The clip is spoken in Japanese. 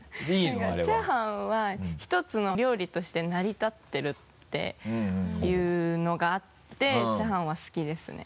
何かチャーハンは１つの料理として成り立ってるていうのがあってチャーハンは好きですね。